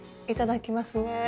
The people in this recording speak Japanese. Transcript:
いただきますね。